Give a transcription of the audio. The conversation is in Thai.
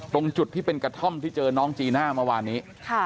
ตรงจุดที่เป็นกระท่อมที่เจอน้องจีน่าเมื่อวานนี้